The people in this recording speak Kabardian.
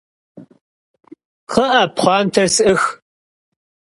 Kxhı'e, pxhuanter s'ıx!